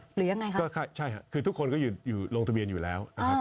หรือยังไงคะก็ใช่ค่ะคือทุกคนก็อยู่ลงทะเบียนอยู่แล้วนะครับ